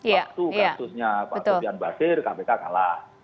waktu kasusnya pak sofian basir kpk kalah